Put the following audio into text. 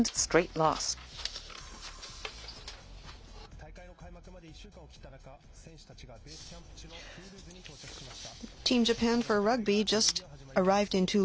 大会の開幕まで１週間を切った中選手たちがベースキャンプ地のトゥールーズに到着しました。